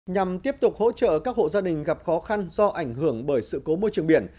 nhằm tiếp tục hỗ trợ các hộ gia đình gặp khó khăn do ảnh hưởng bởi sự cố môi trường biển